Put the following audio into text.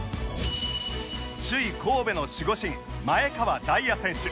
首位神戸の守護神前川黛也選手